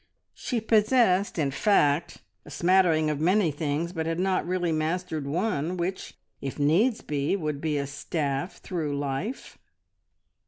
She possessed, in fact, a smattering of many things, but had not really mastered one which, if needs be, would be a staff through life.